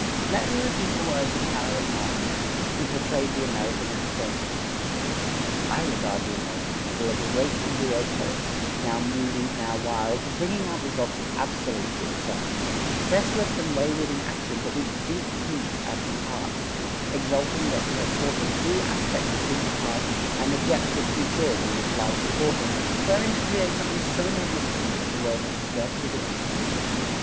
Let me repeat the words of Harriet Martineau, who portrayed the American of the thirties: I regard the American people as a great embryo poet, now moody, now wild, but bringing out results of absolute good sense; restless and wayward in action, but with deep peace at his heart; exulting that he has caught the true aspect of things past and the depth of futurity which lies before him, wherein to create something so magnificent as the world has scarcely begun to dream of.